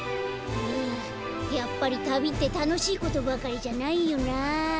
やっぱりたびってたのしいことばかりじゃないよな。